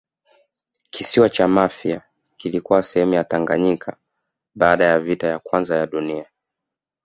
kisiwa cha mafia kilikuwa sehemu ya tanganyika baada ya vita ya kwanza ya dunia